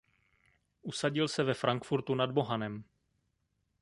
Usadil se ve Frankfurtu nad Mohanem.